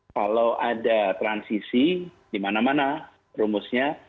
kalau ada transisi di mana mana rumusnya